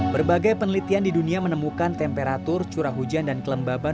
berbagai penelitian di dunia menemukan temperatur curah hujan dan kelembaban